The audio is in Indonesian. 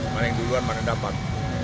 paling duluan mana dapat